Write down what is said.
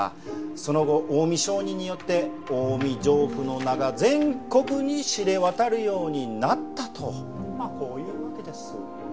その後近江商人によって近江上布の名が全国に知れ渡るようになったとまあこういうわけです。